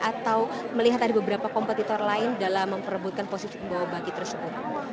atau melihat ada beberapa kompetitor lain dalam memperebutkan posisi pembawa baki tersebut